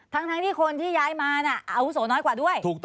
ทั้งที่คนที่ย้ายมาอาวุโสน้อยกว่าด้วย